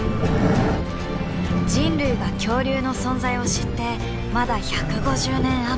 人類が恐竜の存在を知ってまだ１５０年余り。